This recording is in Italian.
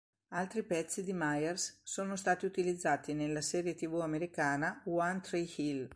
Altri pezzi di Myers sono stati utilizzati nella serie tv americana "One Tree Hill".